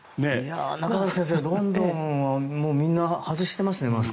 中林先生、ロンドンみんな外してましたね。